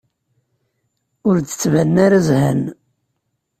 Ur d-ttbanen ara zhan.